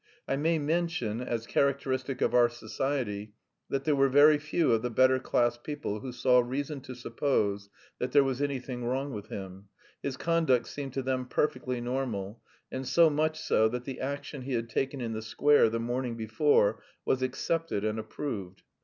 I may mention, as characteristic of our society, that there were very few of the better class people who saw reason to suppose that there was anything wrong with him; his conduct seemed to them perfectly normal, and so much so that the action he had taken in the square the morning before was accepted and approved.